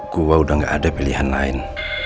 gua udah gak ada pilihan lain